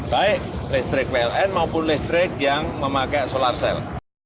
baik listrik pln maupun listrik yang memakai solar cell